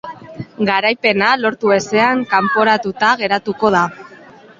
Garaipena lortu ezean kanporatuta geratuko da.